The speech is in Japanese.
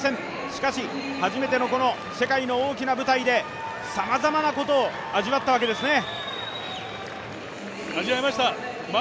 しかし、初めての世界の大きな舞台でさまざまなことを味わったわけですね。